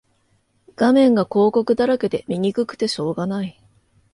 画面が広告だらけで見にくくてしょうがない